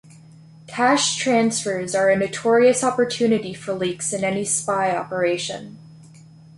Cash transfers are a notorious opportunity for leaks in any spy operation.